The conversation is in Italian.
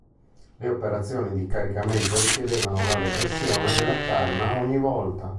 Le operazioni di caricamento richiedevano la depressione della canna ogni volta.